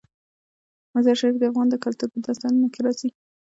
مزارشریف د افغان کلتور په داستانونو کې راځي.